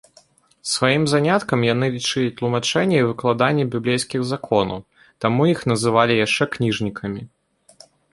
Сваім заняткам яны лічылі тлумачэнне і выкладанне біблейскіх законаў, таму іх называлі яшчэ кніжнікамі.